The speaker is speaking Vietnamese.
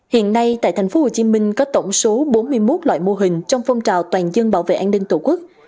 hiện nay tại tp hcm có tổng số bốn mươi một loại mô hình trong phong trào toàn dân bảo vệ an ninh tổ quốc